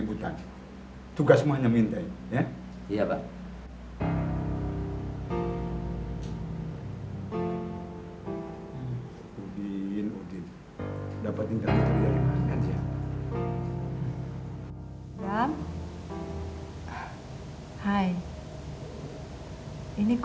bukan den yanti